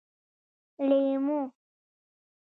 🍋 لېمو